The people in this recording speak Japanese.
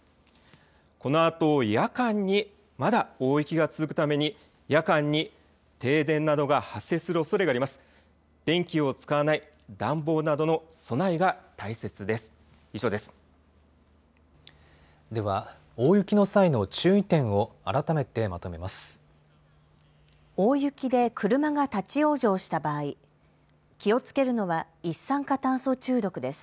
このあと夜間にまだ大雪が続くために、夜間に停電などが発生するおそれがあります。